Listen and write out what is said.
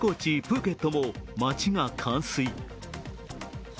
プーケットも街が冠水。